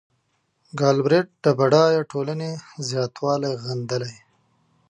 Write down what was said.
ګالبرېټ د بډایه ټولنې زیاتوالی غندلی.